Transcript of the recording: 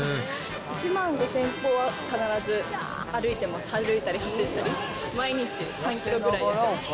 １万５０００歩は必ず歩いてます、歩いたり、走ったり、毎日３キロぐらい痩せました。